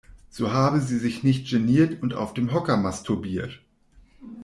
So habe sie sich nicht geniert und auf dem Hocker masturbiert.